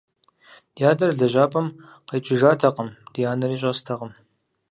Ди адэр лэжьапӀэм къикӀыжатэкъым, ди анэри щӀэстэкъым.